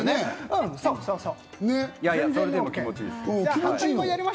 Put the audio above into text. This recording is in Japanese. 気持ちいいのよ。